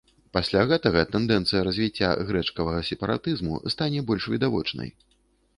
Пасля гэтага тэндэнцыя развіцця грэчкавага сепаратызму стане больш відавочнай.